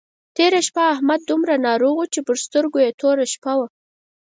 تېره شپه احمد دومره ناروغ وو چې پر سترګو يې توره شپه وه.